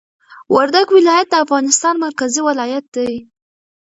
وردګ ولایت د افغانستان مرکزي ولایت دي